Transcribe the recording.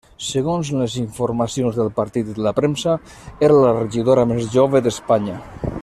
Segons les informacions del partit i de la premsa, era la regidora més jove d'Espanya.